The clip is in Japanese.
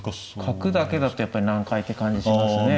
角だけだとやっぱり難解って感じしますね。